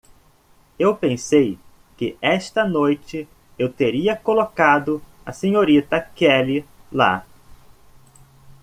Eu pensei que esta noite eu teria colocado a Srta. Kelly lá.